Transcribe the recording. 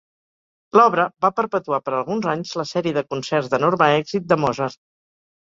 L'obra va perpetuar per alguns anys la sèrie de concerts d'enorme èxit de Mozart.